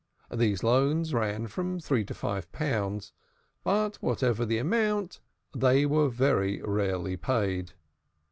These loans ran from three to five pounds, but whatever the amount, they were very rarely paid.